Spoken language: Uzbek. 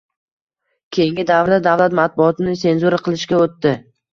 Keyingi davrda davlat matbuotni senzura qilishga o‘tdi.